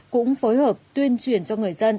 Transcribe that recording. cũng phối hợp tuyên truyền cho người dân